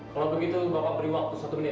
kalau begitu bapak beri waktu satu menit